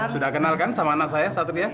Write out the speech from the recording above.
sudah kenal kan sama anak saya satria